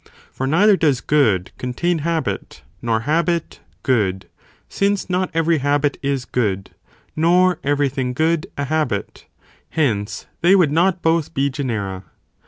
For neither does good contain habit, nor habit good, since not every habit is good, nor every thing good, a habit ; hence they would not both be genera.